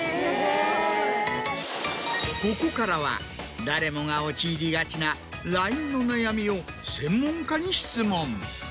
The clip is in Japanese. ・ここからは誰もが陥りがちなＬＩＮＥの悩みを専門家に質問。